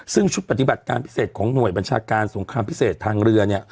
ซึ่งชุดปฏิบัติการพิเศษของหน่วยบัญชาการสงครามพิเศษทางเรือ